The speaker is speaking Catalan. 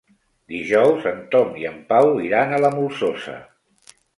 Dijous en Tom i en Pau iran a la Molsosa.